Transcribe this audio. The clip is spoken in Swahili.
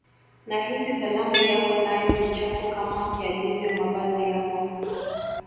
nahisi salamu yako nayo ni chafu kama yalivyo mavazi yako